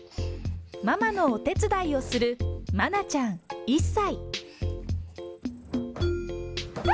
ママのお手伝いをする、まなちゃん１歳。